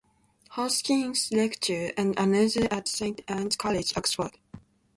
Hoskins lecture, and another at Saint Anne's College, Oxford.